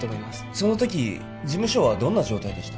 その時事務所はどんな状態でした？